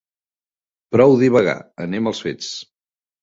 Prou divagar: anem als fets!